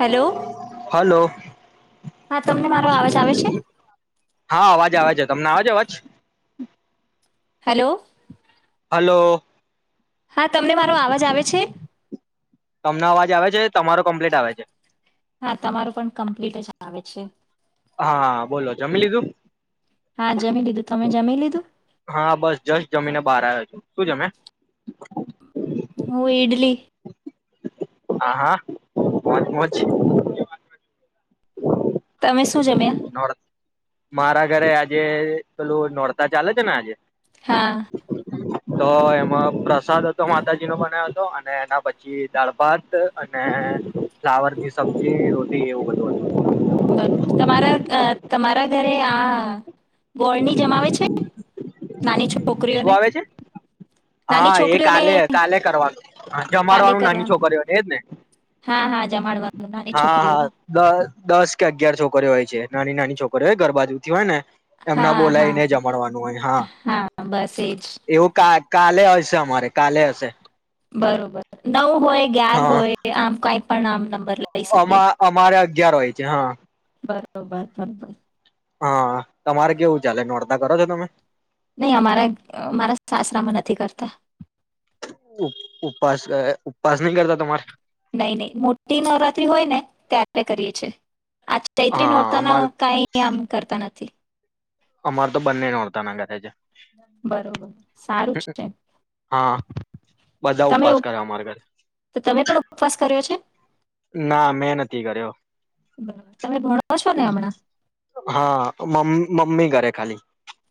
Hello hello. હા તમને મારો અવાજ આવે છે હા, અવાજ આવે છે. તમને અવે છે, અવાજ? હેલો હલો હા, તમને મારો અવાજ આવે છે? તમને અવાજ આવે છે તમારો કમ્પ્લીટ આવે છે. હા, તમારું પણ કમ્પ્લીટજ આવે છે. હા, બોલો જમી લીધું? હા, જમી લીધું, તમે જમી લીધું? હા, બસ જસ જમીને બહાર આવ્યો છું, શું જમિયા? હું ઇડલી હા, હા, મોજ મોજ તમે શું જમ્યા? નોર્થ મારા ઘરે આજે પેલું નોરતા ચાલે છે ને આજે હા. તો એમાં પ્રસાદ હતો માતાજી નો બનાવ્યો હતો અને એના પછી દાળ ભાત અને ફ્લાવર ની સબ્જી રોટી એવું બદુ. બરોબર તમારા અ તમારા ઘરે આ ગોળની જમાવે છે. નાની શું છોકરીઓને આવે છે નાની હા એ છોકરીઓને કાલે કાલે કરવાનું કાલે જમાડવાનું નાની કરવાનું છોકરીઓનેજ ને હા હા જમાડવાનું નાની હા હા છોકરીઓને દ દસ કે અગિયાર છોકરીઓ હોય છે નાની નાની. છોકરી હોય ઘર બાજુથી હોય ને. એમના હા હા બોલાયને જમડવાનું હોય. હા હા બસ એ જ એવું કા કાલે હશે અમારે કાલે હશે. બરોબર નવ હોય ગ્યાર હા હોય આમ કઈ પણ આમ. નંબર લઈ શકીએ અમા અમારે અગિયાર હોય. જ હા. બરોબર બરોબર. હા તમારે કેવું ચાલે નોડતાા કરો છો તમે? નહી અમારા અમારા સાસરામાં નથી કરતા. ઉપવાસ ઉપવાસ નહી કરતા તમારે? નઈ નહી મોટી નવરાત્રી હોય ને ત આપણે કરીએ છીએ. આ ચૈત્રી હા નોરતાના અમાર કઈ આમ કરતા નથી. અમાર તો બંને નોરતા ના કરે છે. બરોબર સારું જ છે, હા બધા તમે ઉપવાસ ઈ કરે અમારે ઘરે તમે પણ ઉપવાસ કર્યો છે? ના મેં નથી કર્યો બરોબર તમે ભણો છો ને હમણાં હા મ મમ્મી કરે. ખાલી.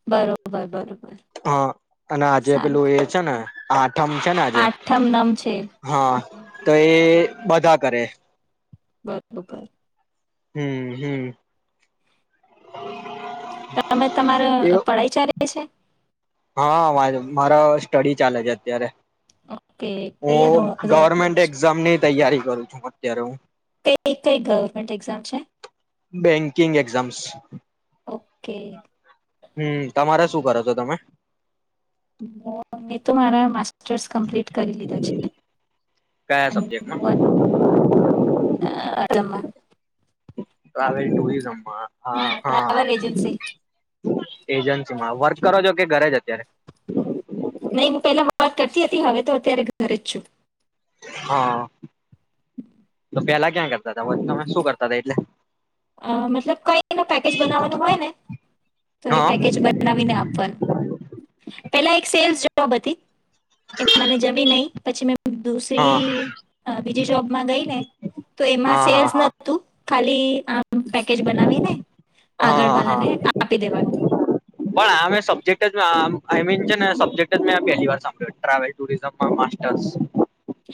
બરોબર બરોબર. હા અને આજે સારું પેલું એ છે ને આઠમ છે ને આજે આઠમ નમ છે હા હમ, તો એ બધા કરે. બરોબર. હમ્મ હમ્મ. અમે તમારે પઢાઈ ચાલી છે. હા મારે મારા સ્ટડી ચાલે છે અત્યારે. ઓકે કયા હું ગવર્મેન્ટ ધોરણમાં છો એક્ઝામની તૈયારી કરું છું. ત્યારૂ ક કઈ ગવર્મેન્ટન્ટ એક્ઝામ્ છે. બેંકિંગ એક્ઝામ્સ કે હમ્મ તમારે શું કરો છો તમે? મે તો મારા માસ સ્ટર ટર કરી લીધા છે કયા સબ્જેક્ટમાં [unintelligible] તો આવેલ ટુરિઝમ હા ટ્રાવેલ એજન્સી એજન્સીમાં. વર્ક કરો છો કે ઘરે જ અત્યારે? વર્ક કરતી હતી હવે તો અત્યારે ઘરે જ છું. હા. તો [inaudible] પેલા ક્યાં કરતા હતા, તમે શું કરતા હતા એટલે? અહ મતલબ કઈ [unintelligible] પેકેજ બનાવવાનું હોય ને તો એ હા પેકેજ બનાવીને આપવાનું. પેલા એક સેલ્સ જોબ હતી. એ મને જમી નહી. પછી મે હા દુસરી તા બીજી જોબમાં ગઈ ને તો એમાં હા હા સેલ્સ હા નતું. ખાલી આ પેકેજ બનાવીને આગળ હા હા વાલાને આપી દેવાનું. પણ આ મેં સબ્જેક્ટ જ આઈ મીન છે ને સબ્જેક્ટ જ મે પહેલી વાર સાંભળ્યો, ટાવેલ ટુરિઝમમાં માસ્ટરસ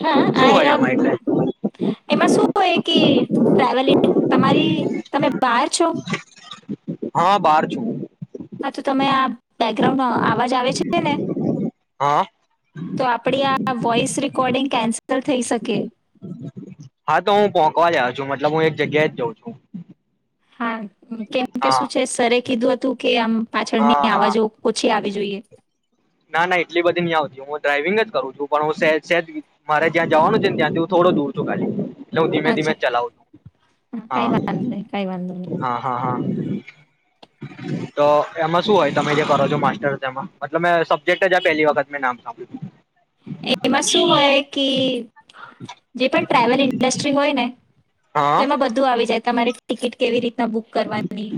હા, આ આયવા, એમાં શું હોય કે ટ્રાવેલિ તમારી, તમે બહાર છો? હા બહાર છું હું. હા તો તમે આ બેકગ્રાઉન્ડમાં આવાજ આવે છે ને હા તો આપણી આ વોઈસ રેકોર્ડિંગ કેન્સ લ થઈ શકે. હા તો હું પોહગવા આવ્યો છું, મતલબ હું એક જગ્યાએ જ જઉં છું. હા. કેમ કે હા શું છે સરે કીધું હત તું કે આમ પાછળને હા હા અવાજો ઓછી આવી જોઈએ. ના, ના એટલી બધી નહીં આવતી, હું ડ્રાઈવિંગ જ કરું છું પણ હું સે સે મારે જ્યાં જવાનું છે ત્યાંથી હું થોડો દૂર છું ખાલી. એટલે હું ધીમે ધીમે અચ્છા ચલાવું છું. કઈ હા, વાંધો નહી કઈ વાંધો હા, હા, હા. તો એમાં શું હોય તમે જે કરો છો માસ્ટરસ એમાં, મતલબ મે જેક્ટ જ આ પહેલી વખત મેં નામ સાંભળ્યું. એમાં શું હોય કે જે પણ ટ્રાવેલ ઇન્ડસ્ટ્રી હોય ને તો હા એમાં બધું આવી જાય તમારે ટિકિટ કેવી રીતના બુક કરવાની,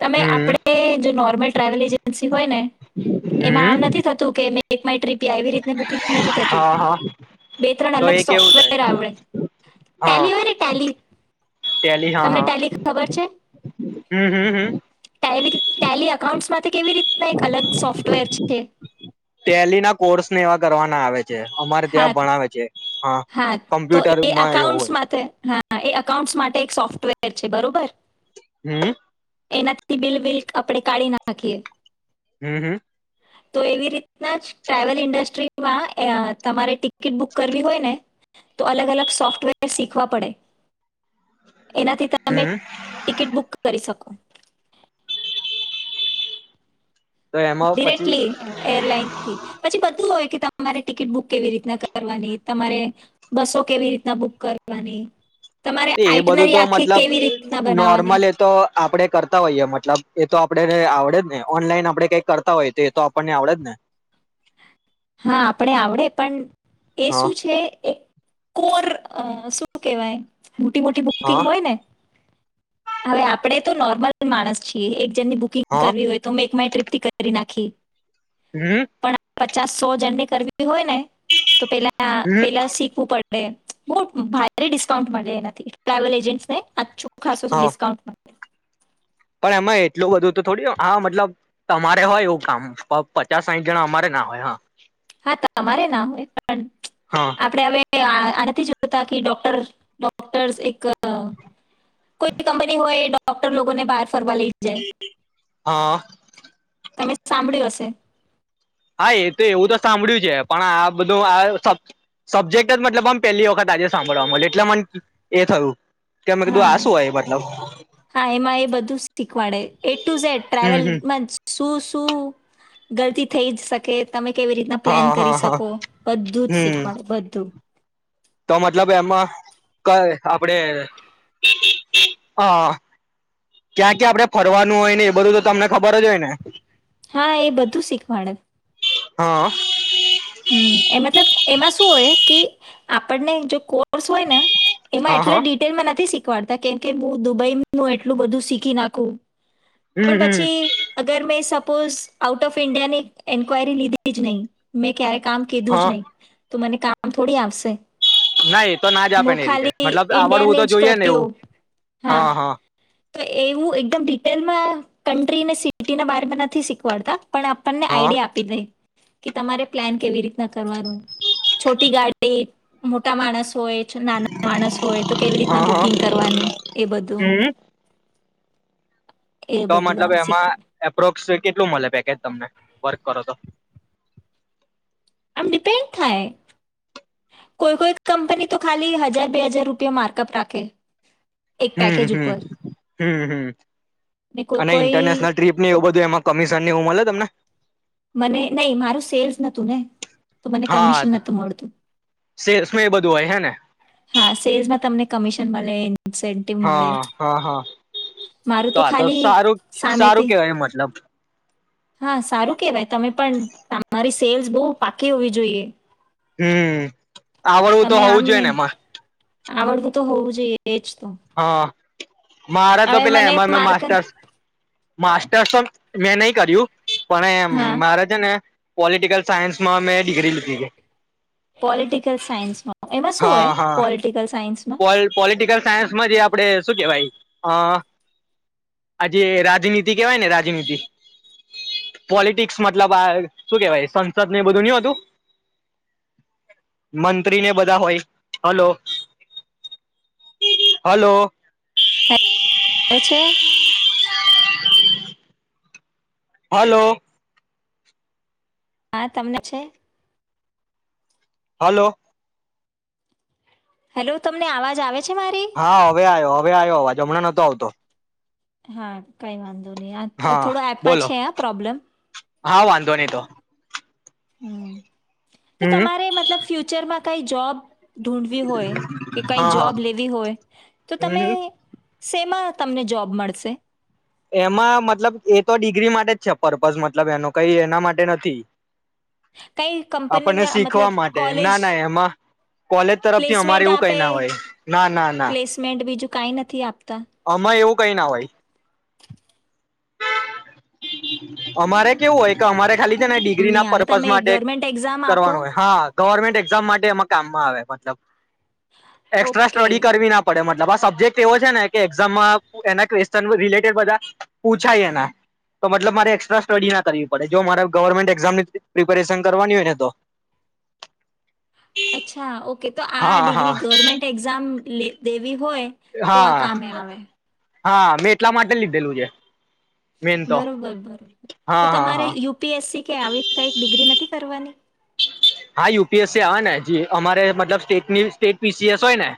તમે હમ આપડ જો નોર્મલ ટ્રાવેલ એજન્સી હોય ને, એમાં હમ આમ નથી થતું કે એક માઇ ટ્ર્રીપ આવી રીત બુિંગ નથી થતી, હા હા બે ત્રણ તો અલગ એ કેવું થાય સોફ્ટવેર એટલે આવડે, હા ટેલી હોય ને ટેલી ટેલી હા તમને હા ટેલી ખબર છે. હ હમ. ટેલી અકાઉન્ટમાંથી કેવી રીતના એક અલગ સોફ્ટવેર છે. છે. તેલી ના કોર્સ ને એવા કરવાના આવે છે. અમારે હા ત્યાં ભણાવ છે. હા તો એ કમ્પ્યુટરમાં એવું અકાઉન્ટ હોય છે માટે હા એકાઉન્ડસ માટે એક સોફ્ટવેર છે બરોબર. હમ. એનાથી બિલ બિલ આપણેે કાઢી ના નાખીએ. હમ હમ. તો એવી રીતના જ ટ્રાવેલ ઇન્ડસ્ટ્રીમાં તમારે ટિકિટ બુક કરવી હોય ને. તો અલગ અલગ સોફ્ટવેર શીખવા પડે. એનાથી તમે હમ ટિકિટ બુક કરી શકો. તો એમાં પછી ડિરેક્ટલી એરલાઈન થી, પછી બધું હોય તમારે ટિકિટ બુક કેવી રીતના કરવાની તમારે, બસો કેવી રીતના બુક કરવાની. તમારે એ બધું આઇટનરી તો આખી મતલબ કેવી રીતના બનાવવાની નોર્મલ એ તો આપડણે કરતા હોઈએ મતલબ એ તો આપણેેને આવડે જ ને ઓનલાઈન આપડણે કઈ કરતા હોઈએ તો એ તો આપણને આવડે જ ને. હા આપડે આવડે પણ એ હા શું છે એક કોર શું કેવાય. મોટી મોટી બુકિંગ હા હોય ને હવે આપડે તો નોર્મલ માણસ છીએ. જેની બુકિંગ હા કરવી હોય તો મેં એક માય ટ્રી કરી નાખી. હમ. પણ પચાસ સો જન ને કરવી હોય ને તો પેલા હમ પેલા શીખવું પડે. બહ ભારે ડિસ્કાઉન્ટ મળે એ નથી ટ્રાવલ એજન્ટને ખાસો હા ડિસ્કાઉન્ટમાં પણ એમાં એટલું બધું તો થોડી હા મતલબ તમારે હોય એવું કામ, પચાસ સાહીઠ જણા અમારે ના હોય હા. હા તમારે ના હોય. પણ હા આપડે હવે આનાથી જોતા કે ડોક્ટર ડોક્ટર્સ એક કોઈ કંપની હોય ડોક્ટર લોકો ને બહાર ફર લઈ જાય હા તમે સાંભળ્યું હશે હા એ તો એવું તો સાંભળ્યું છે પણ આ બધું આ સબ સબ્જેક્ટ જ મતલબ આમ પેલી વખત આજે સાંભળવાે એટલે મને એ થયું કે મેં કીધું હા આ શું હોય મતલબ હા એમાં એ બધું શીખવાડે એ ટુ ઝડ હમ હમ ટ્રાવેલમા શું શું ગલતી થઈ જ શકે તમે કેવી રીતના હા પ્લાન હા કરી હા શકો બધું જ હમ શીખવાડે બધું તો મતલબ એમાં ક આપડે હા ક્યાં ક્યાં આપડણે ફરવાનું હોય ને એ બધું તો તમને ખબર જ હોય ને હા એ બધું શીખવાડે હા હમ્મ એમાં છે ને એમાં શું હોય કે આપણને જો કોર્સ હોય ને એમાં હા હા એટલા ડિટેલમાં નથી શીખ કવાડતા કેમ કે હું દુબઈ હું એટલું બધું શીખી નાખું હમ પણ હમ પછી અગર મેં સ પોઝ આઉટ ઓફ ઇન્ડિયાની એન્યરી લીધી જ નહી મે ક્યારે કામ કીધું જ હા નહી તો મને કામ થોડી આવશે. નાઈ તો ના જ આપે હું એ રીતે ખાલી મતલબ આવડવું ઇન્ડિયાની તો જ જોઈએ ને કરતી એવું, હોઉં હા હા. તો એવું એકદમ ડિટેલમાં કન્ટ્રી સિટીના બમાં નથી શીખવાડતા. પણ આપણને હા આઈડિયા આપી દે. કે તમારે પ્લાન કેવી રીતના કરવાનું, છોટી ગાડી મોટા માણસ હોય નાના માણસ હોય તો કેવી હા રીતના હા બુકિંગ કરવાની એ બધું. હમ એ તો બધું મતલબ આમ એમાં શીખવું એપ્રોક્સ કેટલું મળે પેકેજ તમને વર્ક કરો તો? આમ ડિપેન્ડ થાય, કોઈ કોઈ કંપની તો ખાલી હજાર બે હજાર રૂપિયા માર્કઅપ રાખે. એક પેકેજ ઉપર હ હ ને કોઈ અને કોઈ ઇન્ટરનેશનલ ટ્રીપ એવું બધું એમાં કમિશન ની હું મળે? તમને? મને નહી મારું સેલ્સ નતું ને તો મને હા કમિશન નહોતું મળતું. સેલ્સમાં એ બધું હોય હે ને હા સેલ્સમાં તમને કમિશન મળે. ઇન્સેન્ટિવ મળે હા હા હા, મારું તો આ તો ખાલી સારું સારું સામેથી કેવાય મતલબ. હા સારું કેવાય તમે પણ તમારી સેલ્સ બહુ પાકી હોવી જોઈએ. હમ. આવડવું તો હોવું જોઈએ ને એમાં. આવડવુ તો હોવું જોઈએ. એ જ તો હા, મારે તો હવે પેલા મને એમાર મ માર્ક માસ્ટર્સ માસ્ટર્સ મેં નહી કર્યું. પણ હા એ મારે છે ને પોલિટિકલ સાયન્સમાં મેં ડિગ્રી લીધી છે. પોલિટિકલ સાયન્સમાં. એમાં શું હોય? પોલિટિકલ સાયન્સ પોલી પોલિટિકલ સાયન્સમાં જે આપડે શું કેવાય અઈ અહ આજે રાજનીતિ કેવાય ને રાજનીતિ પોલિટિક્સ મતલબ આ શું કેવાય સંસદને બધું નીહોતું મંત્રીને બધા હોય. હલો હલો એ છે. હલો. હા, તમને છે. હલો. હેલો, તમને આવાજ આવે છે મારી હા, હવે આયો હવ વે આયો અવાજ હમણાં નતો આવતો. હા, કઈ વાંધ અને આ અ હા થોડો એપમાં બોલો છે આ પ્રોબ્લેમ. હા, વાંધો નહી તો. હમ તો હમ તમારે મતલબ ફ્યુચરમાં કઈ જૉબ ઢૂઢવી હોય કે કઈ હા હા જવાબ લેવી હોય તો તમે હમ શેમાં તમને જોબ મળશે? એમાં મતલબ એ તો ડિગ્રી માટે જ છે પર્પઝ મતલબ એનો કઈ એના માટે નથી. કઈ આપણને કંપનીના મતલબ શીખવા માટે કોલેજ ના ના એમાં કોલેજ તરફથી અમારે પ્લેસમેન્ટ એવું કઈ આપે ના હોય ના ના ના પ્લેસમેન્ટ બીજું કાંઈ નથી આપતા અમાં એવું કઈ ના હોય. અમારે કેવું હોય કે અમારે ખાલી છે ને નામ ડિગ્રીના નહીં આવે પર્પઝ તમે માટે ગવર્મેન્ટ એક્ઝામ આપો કરવાનું હોય. હા ગવર્મેન્ટ એક્ઝામ માટે એમાં કામમાં આવે મતલબ. એક્સ્ટ્રા ઓકે સ્ટડી કરવી ના પડે મન લબા સબ્જેક્ટ એવો છે ને કે એઝામમાં એના કવેસ્ચન રિલેટેડ બધા પૂછાય એના. તો મતલબ મારે એક્સ્ટ્રા સ્ટડી ના કરવી પડે, જો મારે ગવર્મેન્ટ એક્ઝામની પ્રિપેરેશન કરવાની હોય ને તો. અચ્છા ઓક કે તો આ હા હા ડિગ્રી ગવર્મેન્ટ એક્ઝામ લે દેવી હોય, તો આ હા કામે આવે હા, મેં એટલા માટે લીધેલું છે. મેન તો બરોબર [unintelligible] હા તો હા તમારે હા યુ પી એસ સી કે આવી કઈક ડિગ્રી નથી કરવાની? હા, યુ પી એસ સી આવે ને, અમારે મતલબ state state P C S હોય ને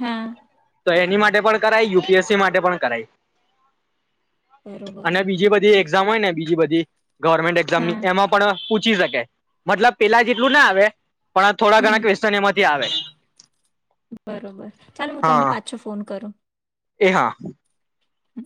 હા તો એની માટે પણ કરાય, યુ પી એસ સી માટે પણ કરાય. બરોબર અને બીજી બધી ઓકે એક્ઝામ હોય ને, બીજી બધી ગવર્મેન્ટ એક્ઝામ ની હા એમાં પણ [unintelligible] મતલબ પેલા જેટલું ના આવે પણ આ થોડા ઘણા હમ ક્વેસ્શન એમાંથી આવે બરોબર, ચાલો હું તમને હા પાછો ફોન કરું. એ હા હ